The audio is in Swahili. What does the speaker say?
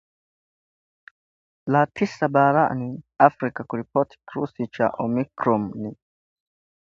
la tisa barani Afrika kuripoti kirusi cha Omicron